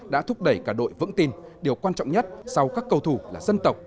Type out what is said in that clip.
đã thúc đẩy cả đội vững tin điều quan trọng nhất sau các cầu thủ là dân tộc